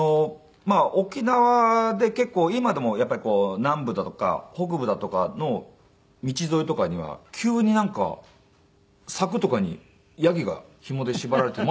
沖縄で結構今でもやっぱり南部だとか北部だとかの道沿いとかには急になんか柵とかにヤギがひもで縛られてまだいるんですよ。